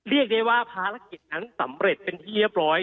เรียกได้ว่าภารกิจนั้นสำเร็จเป็นที่เรียบร้อย